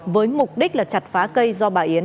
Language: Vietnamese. với mục đích là chặt phá cây do bà yến